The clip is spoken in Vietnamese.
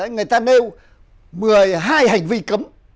người ta nêu một mươi hai hành vi cấm